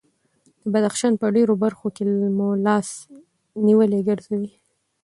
د بدخشان په ډېرو برخو کې مو لاس نیولي ګرځوي.